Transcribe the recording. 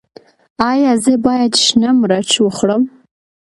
ایا زه باید شنه مرچ وخورم؟